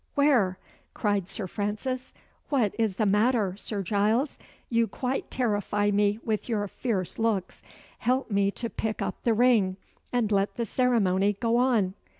where?" cried Sir Francis. "What is the matter, Sir Giles? You quite terrify me with your fierce looks. Help me to pick up the ring, and let the ceremony go on."